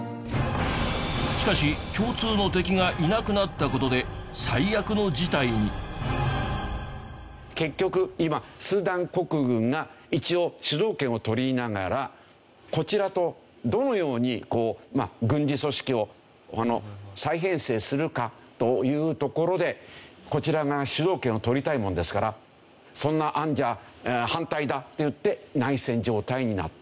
しかし結局今スーダン国軍が一応主導権を取りながらこちらとどのように軍事組織を再編成するかというところでこちらが主導権を取りたいものですからそんな案じゃ反対だといって内戦状態になった。